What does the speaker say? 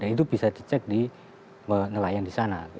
itu bisa dicek di nelayan di sana